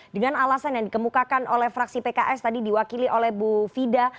dengan alasan yang dikemukakan oleh fraksi pks tadi diwakili oleh bu fida